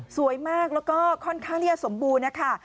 สวยมากแล้วเราก็ค่อนข้างสมบูรณ์นะคะ